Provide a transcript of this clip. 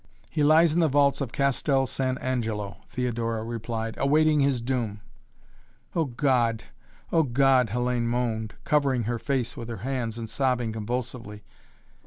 "He lies in the vaults of Castel San Angelo," Theodora replied, "awaiting his doom." "Oh, God! Oh, God!" Hellayne moaned, covering her face with her hands and sobbing convulsively.